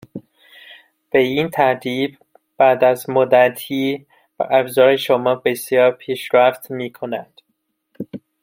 به این ترتیب بعد از مدتی ابزار شما بسیار پیشرفت میکند